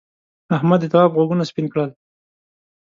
احمد د تواب غوږونه سپین کړل.